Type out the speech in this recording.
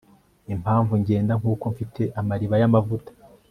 impamvu ngenda nkuko mfite amariba y'amavuta